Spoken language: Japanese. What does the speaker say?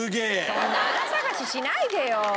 そんなあら探ししないでよ。